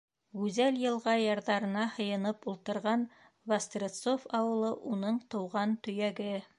Гүзәл йылға ярҙарына һыйынып ултырған Вострецов ауылы — уның тыуған төйәге.